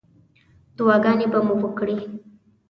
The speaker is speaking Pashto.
دعاګانې به مو وکړې.